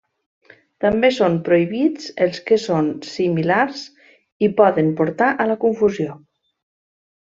També són prohibits els que són similars i poden portar a la confusió.